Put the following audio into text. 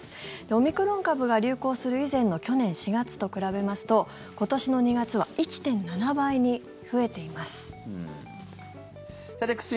オミクロン株が流行する以前の去年４月と比べますと今年の２月は１．７倍に増えています。